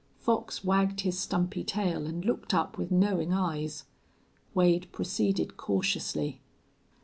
Fox wagged his stumpy tail and looked up with knowing eyes. Wade proceeded cautiously.